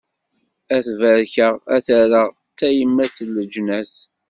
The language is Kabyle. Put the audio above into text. Ad t-barkeɣ, Ad t-rreɣ d tayemmat n leǧnas.